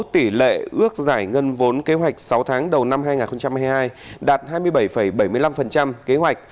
tỷ lệ ước giải ngân vốn kế hoạch sáu tháng đầu năm hai nghìn hai mươi hai đạt hai mươi bảy bảy mươi năm kế hoạch